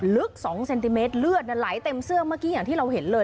ลึก๒เซนติเมตรเลือดไหลเต็มเสื้อเมื่อกี้อย่างที่เราเห็นเลย